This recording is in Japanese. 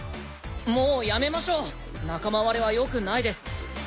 もうやめましょう仲間割れはよくないです。